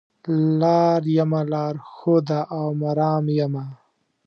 لار یمه لار ښوده او مرام یمه